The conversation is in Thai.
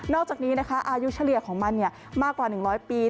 อกจากนี้นะคะอายุเฉลี่ยของมันมากกว่า๑๐๐ปี